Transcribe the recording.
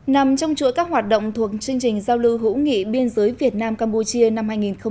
nằm trong chuỗi các hoạt động thuộc chương trình giao lưu hữu nghị biên giới việt nam campuchia năm hai nghìn một mươi tám